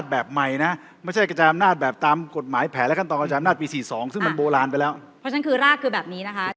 ถ้าย้อนกลับไปที่คำถาม